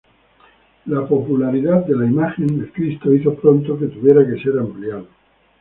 La popularidad de la imagen del Cristo hizo pronto que tuviera que ser ampliado.